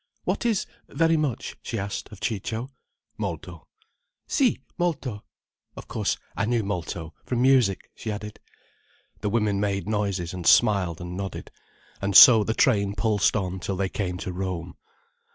What is very much?" she asked of Ciccio. "Molto." "Si, molto. Of course, I knew molto, from, music," she added. The women made noises, and smiled and nodded, and so the train pulsed on till they came to Rome.